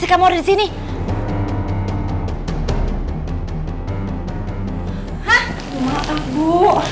terus dia tidurin deh bu